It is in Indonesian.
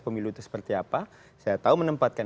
pemilu itu seperti apa saya tahu menempatkan